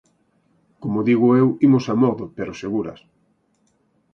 Como digo eu, imos amodo, pero seguras.